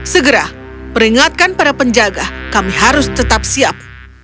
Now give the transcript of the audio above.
segera peringatkan para penjaga kami harus tetap siap